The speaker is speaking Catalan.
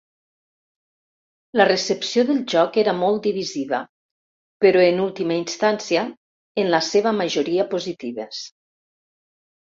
La recepció del joc era molt divisiva, però en última instància, en la seva majoria positives.